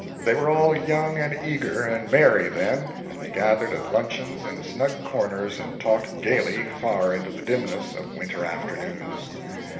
They were all young and eager and merry, then, and they gathered at luncheons in snug corners and talked gaily far into the dimness of winter afternoons.